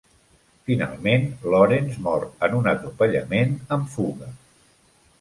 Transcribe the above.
Finalment, Lawrence mor en un atropellament amb fuga.